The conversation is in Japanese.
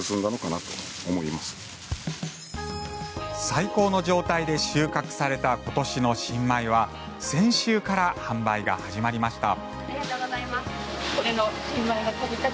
最高の状態で収穫された今年の新米は先週から販売が始まりました。